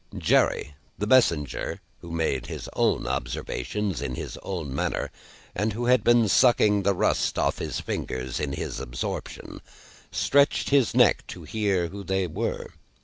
Jerry, the messenger, who had made his own observations, in his own manner, and who had been sucking the rust off his fingers in his absorption, stretched his neck to hear who they were.